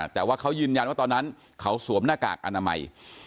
แต่ว่าเขายืนยันว่าตอนนั้นเขาสวมหน้ากากอนามัย